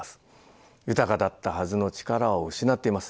豊かだったはずの力を失っています。